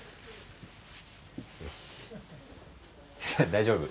大丈夫？